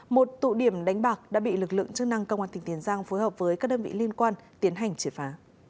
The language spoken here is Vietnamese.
một tụ điểm đánh bạc đã bị lực lượng chức năng công an tỉnh tiền giang phối hợp với các đơn vị liên quan tiến hành triệt phá